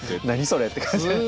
何それって感じ。